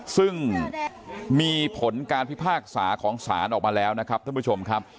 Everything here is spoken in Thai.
ซึ่งมีผลการพิพากษาของศาลออกมาแล้วนะครับท่านผู้ชมครับ